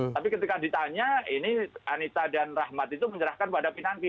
tapi ketika ditanya ini anita dan rahmat itu menyerahkan pada pinangki